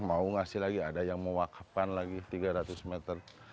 mau ngasih lagi ada yang mewakapkan lagi tiga ratus meter